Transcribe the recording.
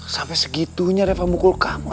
sampai segitunya reva pukul kamu ya